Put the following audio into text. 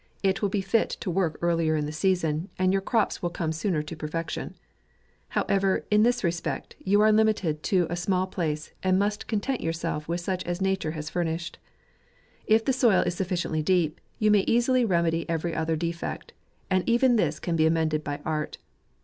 It will be fit to work earlier in the season, and your crops will come sooner to perfection* However, in this respect, you are limited to a small place, and must content yourself with such as nature has furnished. If the soil is sufficiently deep, you may easily remedy every other defect ; and even this can be amended by art.